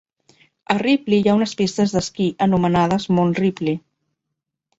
A Ripley hi ha unes pistes d'esquí anomenades Mont Ripley.